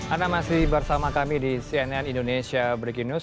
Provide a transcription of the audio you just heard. anda masih bersama kami di cnn indonesia breaking news